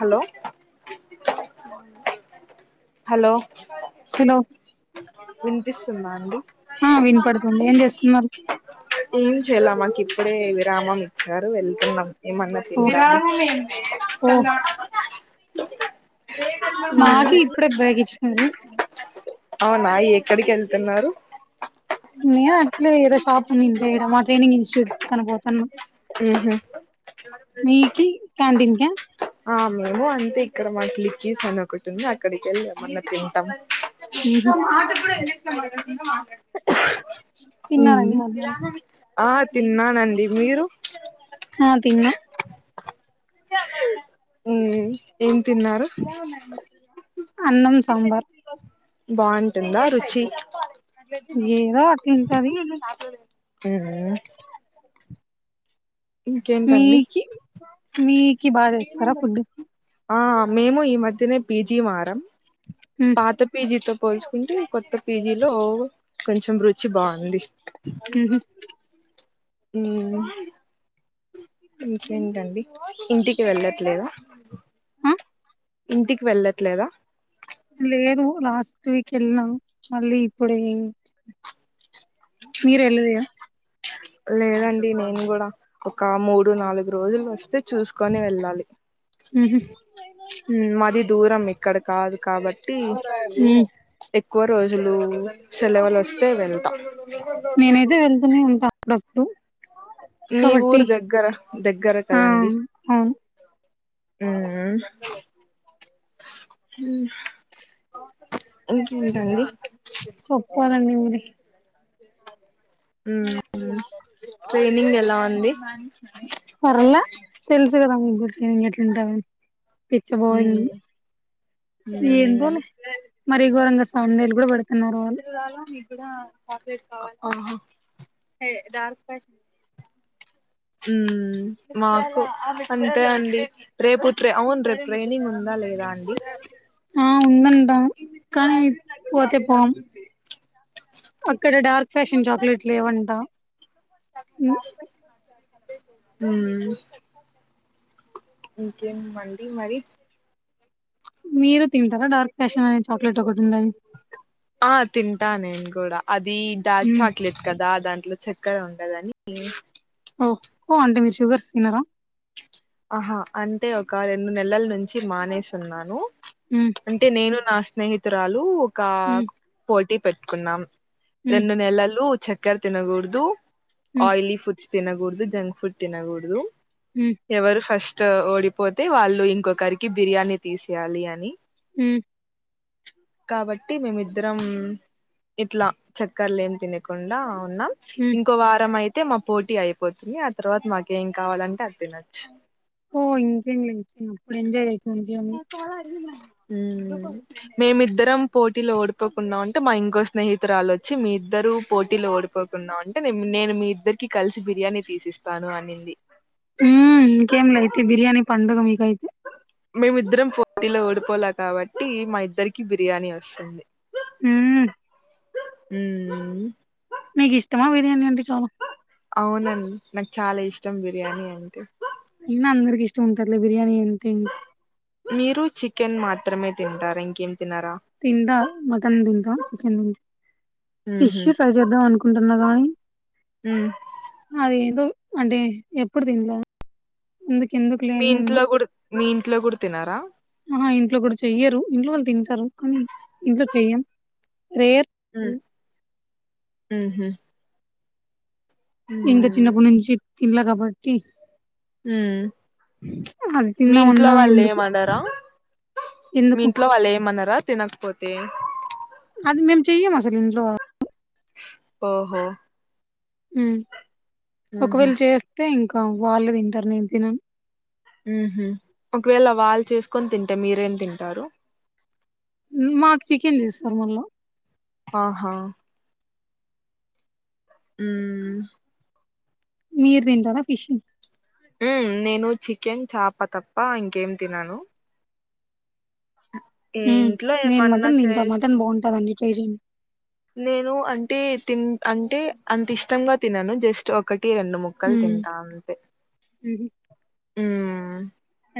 Hello ఏం చేస్తున్నారండి hello hello వినిపిస్తుందా అండి ఆ వినిపడుతుంది ఏం చేస్తున్నారు చ్చలా మాకి ఇప్పుడే విరామం ఇచ్చారు వెళ్తున్నాం ఏమన్నా తింట ఎన్ మాకి ఇప్పుడే బేగచ్చినారు అవునా ఎక్కడికి వెళ్తున్నారు నేను అట్లే ఏదో షాప్ తంటేడ మా ట్రైనింగ్ ఇన్స్టిట్యూట్ కనిపోతాను ఉహు క్యాంటీన్ కా ఆ మేము అంతే ఇక్కడ మాకు లిక్కీస్ అని ఒకటి ఉంది అక్కడికి వెళ్ళి ఏమన్నా తింటాం ఉహు తిన్నారండి మధ్యాహ్నం [unintelligible] ఆ తిన్నానండి మీరు ఆ తిన్నా ఉ ఏం తిన్నారు అన్నం సాంబార్ బాగుంటుందా రుచి ఏదో అట్లుంటది ఉ ఇంకేంటండి మీకి మీకి బాగా చేస్తారా ఫుడ్ ఆ మేము ఈ మధ్యనే పీజీ మారాం ఉమ్ పాత పీజీతో పోల్చుకుంటే కొత్త పీజీలో కొంచెం రుచి బాగుంది ఉహు ఉ ఇంకేంటండి ఇంటికి వెళ్ళట్లేదా ఆ ఇంటికి వెళ్ళట్లేదా లేదు లాస్ట్ వీక్ వెళ్ళినాం మళ్ళీ ఇప్పుడ ఏ మీరు వెళ్ళదయ లేదండి నేను కూడా ఒక మూడు నాలుగు రోజులు వస్తే చూసుకొని వెళ్ళాలి ఉహు మాది దూరం ఇక్కడ కాదు కాబట్టి ఉమ్ ఎక్కువ రోజు రోజులు సెలవులు వస్తే వెళ్తా నేనైతే వెళ్తూనే ఉంటా అప్పుడప్పుడు మీ కాబట్టి ఊరు దగ్గర దగ్గర ఆ కదండి అవును ఉహు ఇంకేంటండి కే ఉ ట్రైనింగ్ ఎలా ఉంది ఇంకెట్లా ఉంటది మ్మ్ పిచ్చబోరింగ్ మ్మ్ ఏందోలే మరి ఘోరంగ సౌండేలు కూడా పడుత తి రాళం ఇప్పుడ [unintelligible] మాకు అంతే అండి రేపు అవును రేపు ట్రైనింగ్ ఉందా లేదా అండి ఆ ఉన్ందంట కానీ పోతేపోం అక్కడ డార్క్ ఫ్యాషన్ చాక్లెట్లు లేవంటా ఉ ఇంకేమి అండి మరి మీరు తింటార డార్క్ ఫ్యాషన్ అనే చాక్లెట్ కూడా ఆ తింటా నేను కూడా అది డార్క్ మ్ చాక్లెట్ కదా దాంట్లో చక్కెర ఉండదని ఓహ ఓ అంటే మీరు షుగర్స్ తినరా ఆహా అంటే ఒక రెండు నెలల నుంచి మానేసిన్నాను మ్ అంటే నేను నా స్నేహితురాలు ఒక మ్ పోటీ పెట్టుకున్నాం మ్ రెండు నెలలు చక్కెర తినకూడదు మ్ ఆయిలీ ఫుడ్స్ తినకూడదు జంక్ ఫుడ్ తినకూడదు మ్ ఎవరు ఫస్ట్ ఓడిపోతే వాళ్ళు ఇంకొకరికి బిర్యానీ తీసేయాలి అని ఉ కాబట్టి మేమిద్దరం ఇట్లా చక్కర్లు ఏం తినకుండా న్నా మ్ ఇంకో వారం అయితే మా పోటీ అయిపోతుంది ఆ తర్వాత మాకేం కావాలంటే అ తినొచ్చు ఓ ఇంకా ఏంలే అయితే అప్పుడు ఎంజయ్ అయి చాల అ మ మేమిద్దరం పోటీలో ఓడిపోకుండాం అంటే మా ఇంకో స్నేహితురాలు వచ్చి మీ ఇద్దరు పోటీలో ఓడిపోకుండా ఉంటే నేను మీ ఇద్దరికి కలిసి బిర్యానీ తీసిస్తాను అనింది మ్ ఇంకేంలే అయితే బిర్యానీి పండుగ మీ మేమిద్దరం పోటీలో ఓడిపోలే కాబట్టి మా ఇద్దరికి బిర్యానీ వస్తుంది మ్ మ్ నీకు ఇష్టమా బిర్యానీ అండి చాలా అవునంన్ నాకు చాలా ఇష్టం బిర్యానీ అంటే ఇయినా అందరికి ఇష్టం ఉంటది లే బిర్యానీ అంటే మీరు చికెన్ మాత్రమే తింటారా ఇంకేం తినరా తింటా మటన్ తింటా చికెన్ తింటా ఫిష్ ఉహు ట్రై చేద్దాం అనుకుంటున్నా కానీ ఉమ్ అది ఏదో అంటే ఎప్పుడు తింలే అందు మీ ఇంట్లో కూడా మీ ఇంట్లో కూడా తినారా ఆహా ఇంట్లో కూడా చెయ్యరు ఇంట్లో వాళ్ళు తింటారు కానీ ఇంట్లో చెయ్యం రేర్ మ్ హు ఇంకా చిన్నప్పటి నుంచి తిన్లే కాబట్టి మ్ అది మీ ఇంట్లో తిందామన్నా వాళ్ళు ఎందుకు ఏమనరా మీ ఎందుకు ఇంట్లో వాళ్ళు ఏమనరా తినకపోతే అది మేము చెయ్యం అసలు ఇంట్లో ఓహో ఉహు ఒకవేళ చేస్తే ఇంకా వాళ్ళే తింటారు నేను తినను మ్ హు ఒకవేళ వాళ్ళు చేసుకొని తింటే మీరేం తింటారు మాకు చికెన్ చేస్తారు మళ్ళా ఆహా మ్ మీరు తింటారా ఫిష్ మ్ నేను చికెన్ చేప తప్ప ఇంకేం తిినను ఉమ్, ఇంట్లో నేను ఏమన్నా మటన్ తింటా చేస్ మటన్ బాగుంటదండి ట్రై చేయండి నేను అంటే తిన్ అంటే అంత ఇష్టంగా తిినను జస్ట్ ఒక కటి రెండు ముక్కల్ ఉమ్, తింట అంతే ఉహు.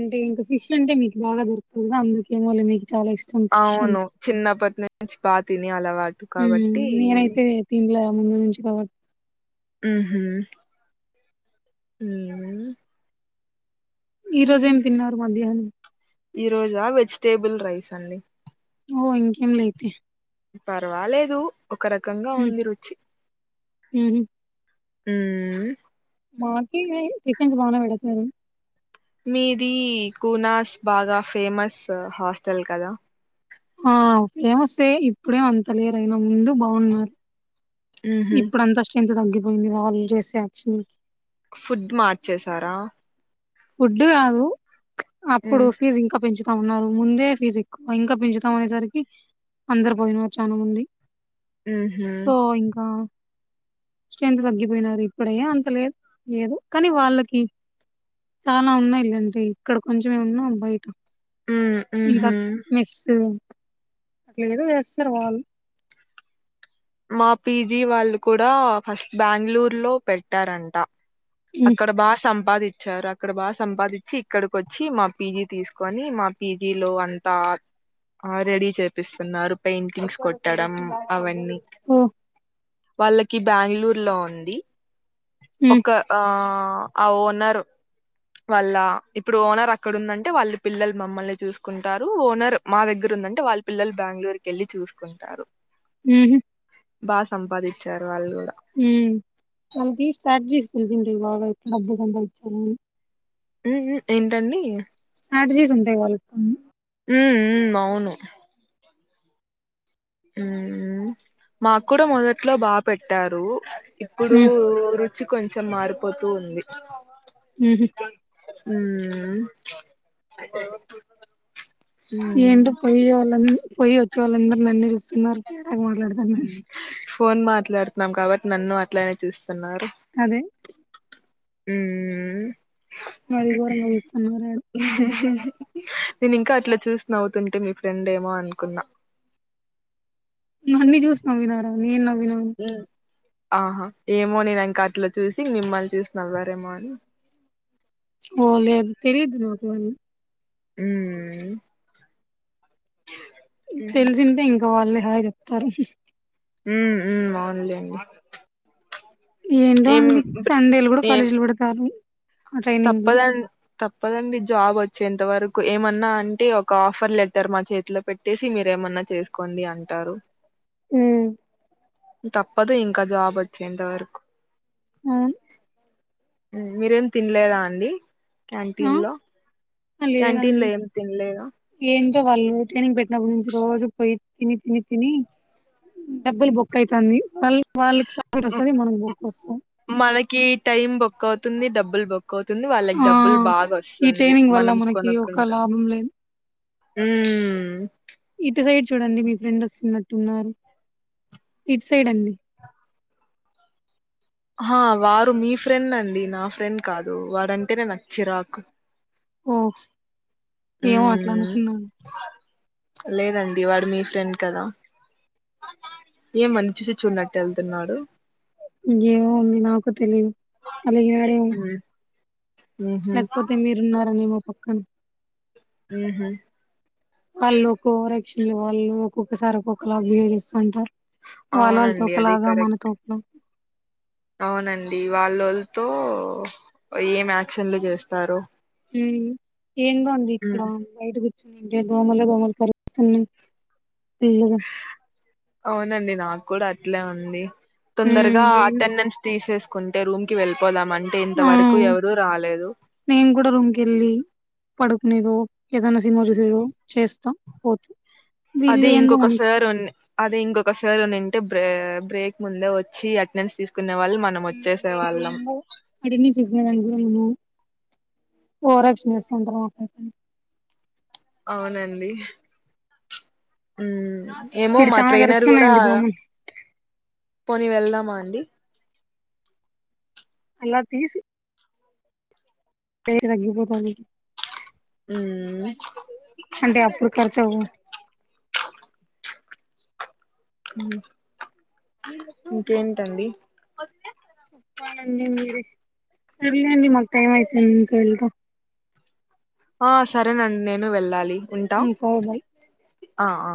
అంటే ఇంకా ఫిష్ అంటే మీకు బాగా దొరతుంద అందుకేమొలే మిక్ చాలా ఇష్టం అవును ఫీషంట్ చిన్నప్పటి నుంచి బా తినే అలవాటు కాబట్టి నేనైతే దింలే ముందు నుంచి కావట్ మ్ హు మ్ ఈ రోజు ఏం తిన్నారు మధ్యాహ్నం ఈ రోజా వెజిటేబుల్ రైస్ అండి ఓ ఇంకేం లే అయితే పర్వాలేదు ఒక రకంగా ఉమ్, ఉంది రుచి ఉహు. మ్ మాకేమీ చికెన్స్ బానే పెడుతారు మీది కూనాస్ బాగా ఫేమస్ హాస్టల్ కదా ఆ ఫేమసే ఇప్పుడెం అంత లేరయినా ముందు బాగున్నారు మ్హు ఇప్పుడు అంతా స్ట్రెంత్ తగ్గిపోయింది వాల్ చేసే యాక్చువల్కి ఫుడ్ మార్చేశారా ఫుడ్ కాదు అప్పుడు మ్మ్ ఫీజు ఇంకా పెంచు త ఉన్నారు ముందే ఫీజు ఎక్కువ ఇంకా పెంచుతాం అనేసరికి అందరు పోయినారు చాల ముంది మ్హు సో ఇంకా స్ట్రెంత్ తగ్గిపోయినారు ఇప్పుడయ్యా అంత లేదు లేదు కానీ వాళ్ళకి చాలా ఉన్నాయిలేండి ఇక్కడ కొంచెమే ఉన్నావు బయట మ్మ్ ఇంకా మ్హు మెస్సు అట్లా ఏదో చేస్తారు వాళ్ళు మా పీజీ వాళ్ళు కూడా ఫస్ట్ బెంగళూరు లో పెట్టారంట హ్మ్ అక్కడ బాగా సంపాది చ్చారు అక్కడ బాగా సంపాదించి ఇక్కడికి వచ్చి మా పీజీ తీసుకొని మా పీజీలో అంతా ఆ రెడీ చేపిస్తున్నారు పెయింటింగ్స్ కొట్టడం అవన్నీ ఓ వాళ్ళకి బెంగళూరు లో ఉంది హ్మ్ ఒక ఆ అ ఓనరు వాళ్ళ ఇప్పుడు ఓనర్ అక్కడ ఉందంటే వాళ్ళు పిల్లలు మమ్మల్ని చూసుకుంటారు. ఓనర్ మా దగ్గర ఉందంటే వాళ్ళ పిల్లలు బెంగళూరు కి వెళ్ళి చూసుకుంటారు. ఉహు బా సంపాదించారు వాళ్ళు కూడా మ్ తనది స్టార్ట్ చేస్తుంది ఇది ఇంటికి బాగుంది మబ్బుగా సంబదించారు ఉఉ ఏంటండి స్ట్రాటజీస్ ఉంటాయి వాళ్ళ కొ ఉఉ అవును ఉమ్ మాకు కూడా మొదట్లో బా పెట్టారు ఇప్పుడు హ్మ్ రుచి కొంచెం మారిపోతూ ఉంది. ఊహూ ఉమ్ ఏంటో పొయ్యి వళ్ళం పొయ్యి వచ్చి వాళ్ళందరు నన్నే చూస్తున్నారు. చిరాకు మాట్లాడుతున్నా ఫోన్ మాట్లాడుతున్నాం కాబట్టి నన్ను అట్లనే చూస్తున్నారు. అదే మ్ మరి ఉఊ ఘోరంగా చూస్తున్నాడు ఊహ్హ్ నేను ఇంకా అట్లా చూసి నవ్వుతుంటే మీ ఫ్రెండ్ ఏమో అనుకున్నా. నువ్ అన్ని చూసి నవ్వినారా నేను నవ్వినా ఆహా ఏమో నేను ఇంకా అట్లో చూసి మిమ్మల్ని చూసి నవ్వారేమో అని ఓ లేదు తిరిగి చూళ్ళేదు. ఉమ్ తెలిసింటే ఇంకా వాళ్లే హాయ్ చెప్తారు. ఉ ఉ అవునులే ఏంటో అండి సండేలు కూడా ఏం కాలేజీలు పెడతారు. ఆ ట్రైనింగ్ ది తప్పదం తప్పదండి. జాబ్ వచ్చేంత వరకు ఏమన్నా అంటే ఒక ఆఫర్ లెటర్ మా చేతిలో పెట్టేసి మీరేమన్నా చేసుకోండి. అంది అంటారు తప్పదు ఇంక జాబ్ వచ్చేంత వరకు ఆ మీరేమి తినలేదా అండి క్యాంటీన్ లో? అ క్యాంటీన్ లో లేదండి ఏం తినలేదా ఏంటో వాళ్ళు ఊకెనే బె డబడు నుంచి రోజు పోయి తిని తిని తిని డబ్బులు బుక్ అయితంది వాళ్ళ వాళ్ళకి [inaudible] వస్తది మనం బక్ వస్తాం మనకి కోతుంది వాళ్ళకి డబ్బులు బాగా ఈ వస్తుంది ట్రైనింగ్ వల్ల మనం మనకి ఒక కొనుక్కుంటాం. లాభం లేదు మ్ ఇటు సైడ్ చూడండి మీ ఫ్రెండ్ వస్తున్నట్టున్నారు ఇట్ సైడ్ అండి ఆ వారు మీ ఫ్రెండ్ అండి నా ఫ్రెండ్ కాదు వడంటేనే నాకు చిరాకు ఓ ఏమో అట్లా మ్మ్ అనుకున్నాను లేదండి వాడు మీ ఫ్రెండ్ కదా ఏమని చూసి చూడనట్టు వెళ్తున్నాడు ఎమో ఉంది నాకు తెలిదు అలీగినాడేమొ ఉహు లేకపోతే మీరున్నారనేమొ పక్కన మ్ హు వాళ్ళు ఒక్క ఓవర్ యాక్షన్ లే వాళ్ళు ఒక్కొక్కసారి ఒక్కొక్కలా బిహేవ్ చేస్తుంటారు వాళ్ళ వాళ్ళతో అవునండి అది ఓకలాగా మనతో కరెక్ట్ ఒకలాగా అవునండి వాళ్ళోల్తో ఏం యాక్షన్లు చేస్తారు మ్ ఏందో అండి ఇక్కడ వైడుగు దోమలే దోమలు సరుస్తున్నాయ్ ఫుల్గా అవునండి నాకు కూడా అట్లే ఉంది ఉమ్ తొందరగా ఏంటి అటెండెన్స్ తీసేస్ కొంటే రూమ్ కి వెళ్ పోదాం అంటే ఆ ఇంతవరకు ఎవరూ రాలేదు ఏదో ఏదన్న సినిమా చూసుడో చేస్తా పోతు అదే ఇంకొక సార్ ఉన్ అదే ఇంకొక సార్ ఉనిం ట్ బ్రె బ్రేక్ ముందే వచ్చి అటెండెన్స్ తీస్ మ్ అటెండెన్స్ [unintelligible] ఏమో ఓవర్ యాక్షన్ చేస్తా ఉంటా మాట్లాడుత్ అవునండి మ్ ఏమో ఇటు మా చాలా ట్రైనర్ కూడా కరుస్తున్నాయండి దోమలు కొని వెళ్దామా అండి అలా తీసి రేట్ తగ్గిపోతాంది అంటే అప్పుడు ఖర్చవ్వు ఇంకేంటండి చెప్పాలండి మీరే సర్లే అండి మక్ టైమ్ అయితాంది ఇంకా వెళ్త ఆ సరేనండి నేను వెళ్ళాలి ఉంటా సరే బాయ్ ఆ ఆ